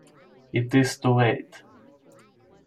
It is too late.